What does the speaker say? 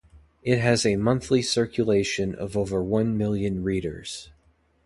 It has a monthly circulation of over one million readers.